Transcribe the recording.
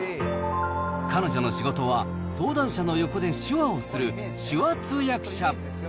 彼女の仕事は登壇者の横で手話をする手話通訳者。